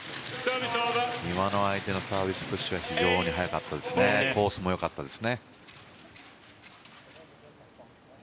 今のは相手のサービスプッシュが非常に速かったですしコースも良かったです。